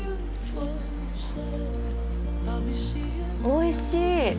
おいしい！